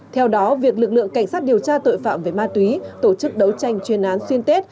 theo đó việc lực lượng cảnh sát điều tra tội phạm về ma túy tổ chức đấu tranh chuyên án xuyên tết